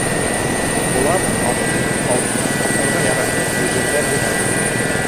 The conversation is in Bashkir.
— Былар ҡаты, һалҡын, ашарға яраҡһыҙ әйберҙәр генә.